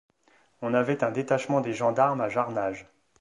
On avait un détachement des gendarmes à Jarnages.